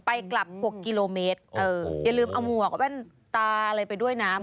ไปกลับ๖กิโลเมตรเอออย่าลืมเอาหมวกแว่นตาอะไรไปด้วยนะ